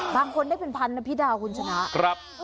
บางคนได้เป็นพันนะพี่ดาวคุณชนะ